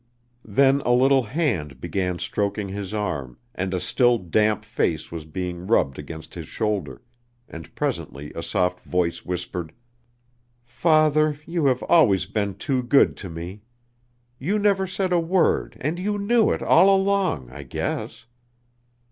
Then a little hand began stroking his arm and a still damp face was being rubbed against his shoulder, and presently a soft voice whispered: "Father, you have always been too good to me. You never said a word and you knew it all along, I guess!"